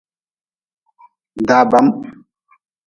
Da bam.